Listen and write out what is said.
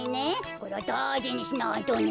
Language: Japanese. これはだいじにしないとね。